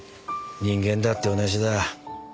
人間だって同じだ。